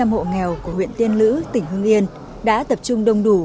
ba trăm linh hộ nghèo của huyện tiên lữ tỉnh hương yên đã tập trung đông đủ